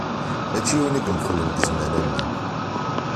Mačči yiwen i imxellen deg zzman am wa.